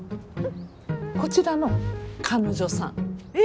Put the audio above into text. こちらの彼女さん。